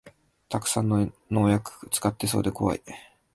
たくさん農薬使ってそうでこわい